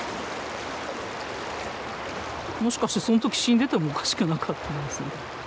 もしかしてその時死んでてもおかしくなかったですね。